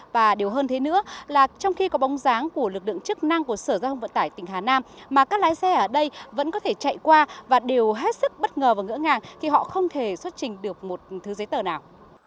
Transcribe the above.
và điều hơn thế nữa là trong khi có bóng dáng của lực lượng chức năng của sở giao thông vận tải tỉnh hà nam mà các lái xe ở đây vẫn có thể chạy qua và đều hết sức bất ngờ và ngỡ ngàng khi họ không thể xuất trình được một thứ giấy tờ nào